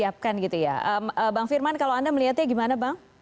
bang firman kalau anda melihatnya gimana bang